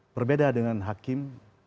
berbeda dengan hakim